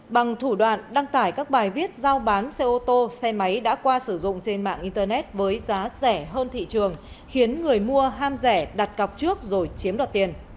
bằng thủ đoạn đăng tải các bài viết giao bán xe ô tô xe máy đã qua sử dụng trên mạng internet với giá rẻ hơn thị trường khiến người mua ham rẻ đặt cọc trước rồi chiếm đoạt tiền